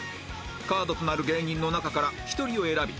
カードとなる芸人の中から１人を選び